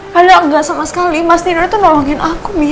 padahal engga sama sekali mas nino tuh nolongin aku mir